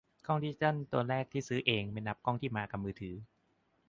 กล้องดิจิทัลตัวแรกที่ซื้อเอง ไม่นับกล้องที่มากะมือถือ